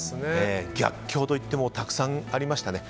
逆境といってもたくさんありましたね。